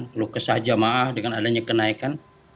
keluh kesah jemaah dengan adanya kenaikan